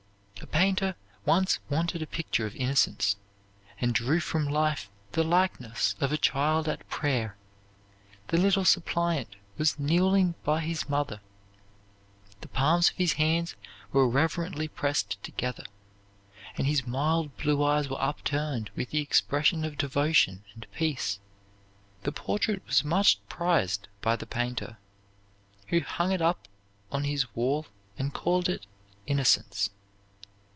A painter once wanted a picture of innocence, and drew from life the likeness of a child at prayer. The little suppliant was kneeling by his mother. The palms of his hands were reverently pressed together, and his mild blue eyes were upturned with the expression of devotion and peace. The portrait was much prized by the painter, who hung it up on his wall, and called it "Innocence."